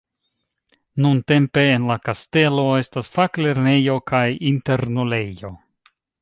Nuntempe en la kastelo estas faklernejo kaj internulejo.